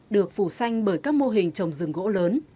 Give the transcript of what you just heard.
được phủ xanh bởi các mô hình trồng rừng gỗ lớn